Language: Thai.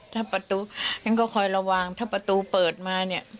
ถ้าประตูฉันก็คอยระวังถ้าประตูเปิดมาเนี่ย